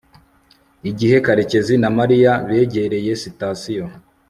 igihe karekezi na mariya begereye sitasiyo